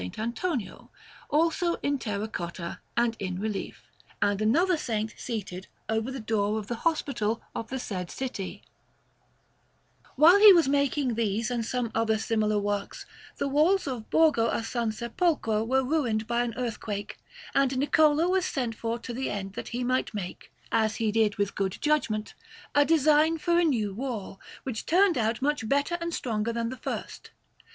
Antonio, also in terra cotta and in relief; and another Saint, seated, over the door of the hospital of the said city. [Illustration: S. MARK (After Niccolò Aretino. Florence: Duomo) Brogi] While he was making these and some other similar works, the walls of Borgo a San Sepolcro were ruined by an earthquake, and Niccolò was sent for to the end that he might make as he did with good judgment a design for a new wall, which turned out much better and stronger than the first.